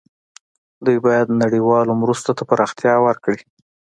دوی باید نړیوالو مرستو ته پراختیا ورکړي.